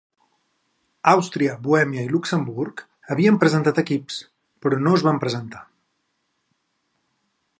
Àustria, Bohèmia i Luxemburg havien presentat equips, però no es van presentar.